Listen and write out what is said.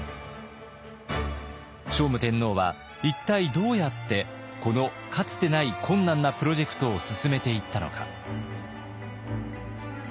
聖武天皇は一体どうやってこのかつてない困難なプロジェクトを進めていったのか。